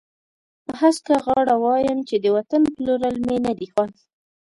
په هسکه غاړه وایم چې د وطن پلورل مې نه دي خوښ.